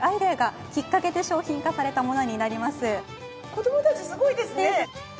子どもたちすごいですね。